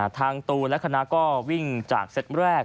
ตูนและคณะก็วิ่งจากเซตแรก